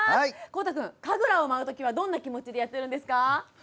孝汰君、神楽を舞うときはどんな気持ちでやってるんですか。